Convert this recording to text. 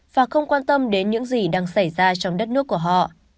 và không quan tâm đến những gì đang xảy ra trong đất nước của họ